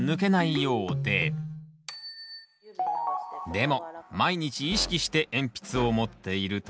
でも毎日意識して鉛筆を持っていると。